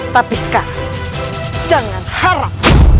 tapi sekarang jangan harap